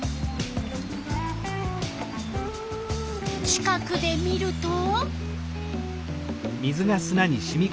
近くで見ると？